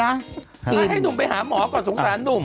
ให้หนุ่มไปหาหมอก่อนสงสารหนุ่ม